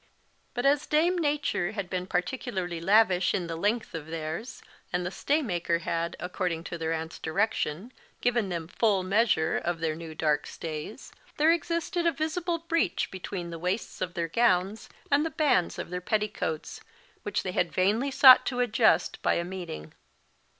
_ But as dame Nature had been particularly lavish in the length of theirs, and the stay maker had, according to their aunt's direction, given them full measure of their new dark stays, there existed a visible breach between the waists of their gowns and the bands of their petticoats, which they had vainly sought to adjust by a meeting.